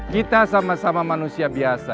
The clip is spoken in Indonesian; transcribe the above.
kita sama sama manusia biasa